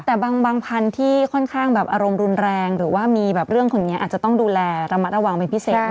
แต่บางพันธุ์ที่ค่อนข้างแบบอารมณ์รุนแรงหรือว่ามีแบบเรื่องคนนี้อาจจะต้องดูแลระมัดระวังเป็นพิเศษ